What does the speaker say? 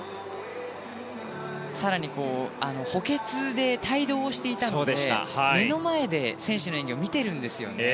更に補欠で帯同をしていたので目の前で見ているんですね。